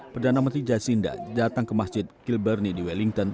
perdana menteri jasinda datang ke masjid kilberni di wellington